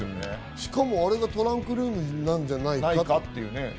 しかもあれがトランクルームなんじゃないかって。